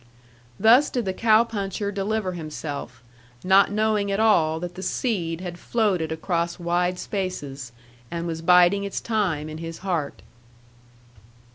Thus did the cow puncher deliver himself, not knowing at all that the seed had floated across wide spaces, and was biding its time in his heart.